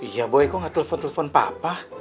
ya boleh kok nggak telepon telepon papa